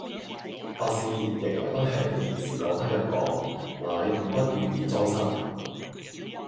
百事營為不喜，時幹克日幹，乃五不遇而災生